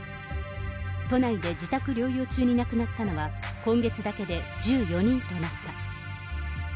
都内で自宅療養中に亡くなったのは、今月だけで１４人となった。